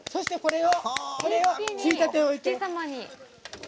これをついたてを置いて。